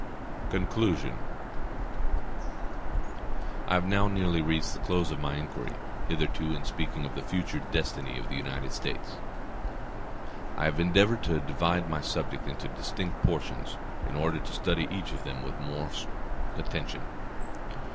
Conclusion I have now nearly reached the close of my inquiry; hitherto, in speaking of the future destiny of the United States, I have endeavored to divide my subject into distinct portions, in order to study each of them with more attention.